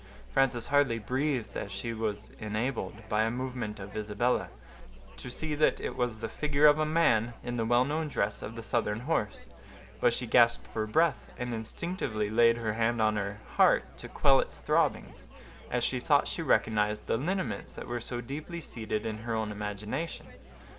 Frances hardly breathed, as she was enabled, by a movement of Isabella, to see that it was the figure of a man in the well known dress of the Southern horse; but she gasped for breath, and instinctively laid her hand on her heart to quell its throbbings, as she thought she recognized the lineaments that were so deeply seated in her own imagination.